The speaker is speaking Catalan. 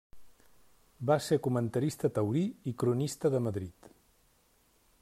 Va ser comentarista taurí i cronista de Madrid.